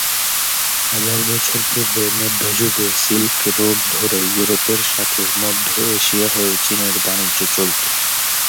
হাজার বছর পূর্বে মধ্যযুগে সিল্ক রোড ধরে ইউরোপের সাথে মধ্য এশিয়া হয়ে চীনের বাণিজ্য চলত।